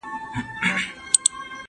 د دې علومو ترمنځ د ورته والي ډېر ټکي سته.